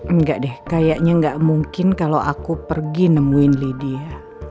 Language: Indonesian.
enggak deh kayaknya gak mungkin kalau aku pergi nemuin lydia